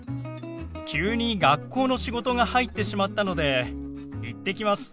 急に学校の仕事が入ってしまったので行ってきます。